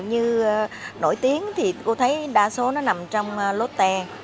như nổi tiếng thì cô thấy đa số nó nằm trong lotte